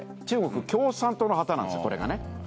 中国共産党の旗なんですよこれがね。